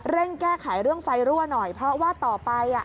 แก้ไขเรื่องไฟรั่วหน่อยเพราะว่าต่อไปอ่ะ